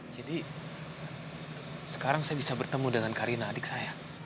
jadi sekarang saya bisa bertemu dengan karina adik saya